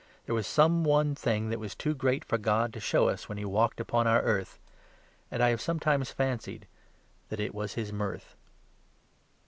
There was some one thing that was too great for God to show us when He walked upon our earth; and I have sometimes fancied that it was His mirth.